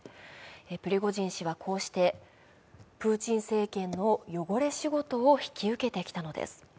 プリゴジン氏はこうしてプーチン政権の汚れ仕事を引き受けてきたのです。